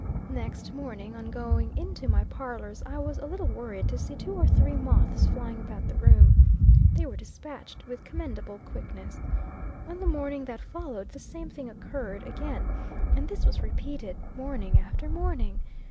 Next morning, on going into my parlors, I was a little worried to see two or three moths flying about the room. They were despatched with commendable quickness. On the morning that followed, the same thing occurred again; and this was repeated, morning after morning.